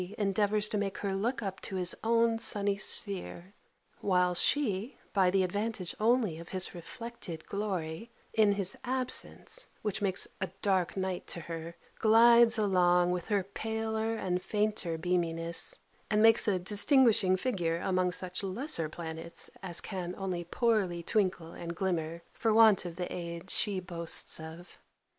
endeavours to make her look up to his own sunny sphere: while she, by the advantage only of his reflected glory, in his absence, which makes a dark night to her, glides along with her paler and fainter beaminess, and makes a distinguishing figure among such lesser planets, as can only poorly twinkle and glimmer, for want of the aid she boasts of.